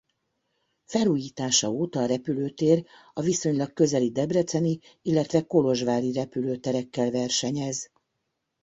Felújítása óta a repülőtér a viszonylag közeli debreceni illetve kolozsvári repülőterekkel versenyez.